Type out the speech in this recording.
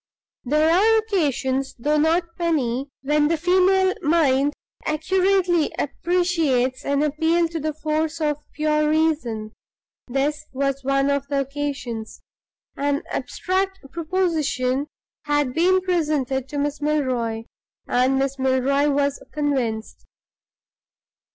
There are occasions, though not many, when the female mind accurately appreciates an appeal to the force of pure reason. This was one of the occasions. An abstract proposition had been presented to Miss Milroy, and Miss Milroy was convinced.